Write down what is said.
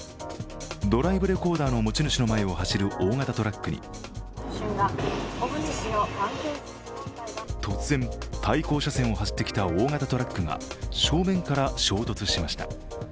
ドライブレコーダーの持ち主の前を走る大型トラックに突然、対向車線を走ってきた大型トラックが正面から衝突しました。